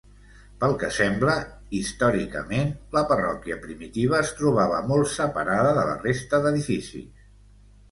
Pel que sembla, històricament, la parròquia primitiva es trobava molt separada de la resta d'edificis.